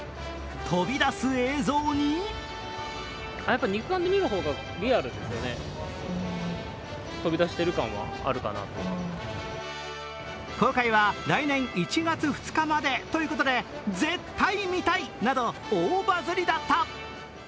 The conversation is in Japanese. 飛び出す映像に公開は来年１月２日までということで、絶対に見たいなど大バズりだった。